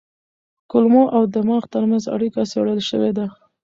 کولمو او دماغ ترمنځ اړیکه څېړل شوې ده.